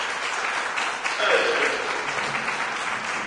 Ajj.